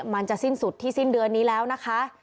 มันจะสิ้นสุดที่สิ้นเดือนนี้แล้วนะคะ